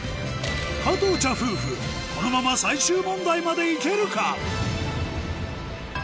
加藤茶夫婦このまま最終問題まで行けるか？